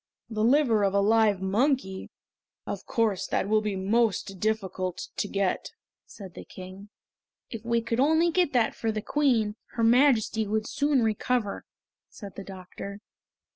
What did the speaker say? "The liver of a live monkey! Of course that will be most difficult to get," said the King. "If we could only get that for the Queen, her Majesty would soon recover," said the doctor.